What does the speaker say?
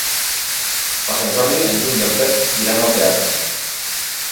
Per Sant Jordi en Lluc i en Pep iran al teatre.